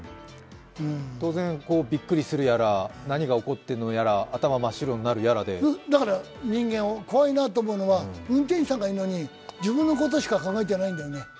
当然びっくりするやら何が起こっているやら頭が真っ白になるやらでだから人間怖いなと思うのは運転手さんがいるのに自分のことしか考えてないんだよね。